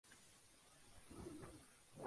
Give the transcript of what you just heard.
¿no beberás tú?